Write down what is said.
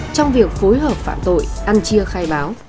trong việc phối hợp phạm tội ăn chia khai báo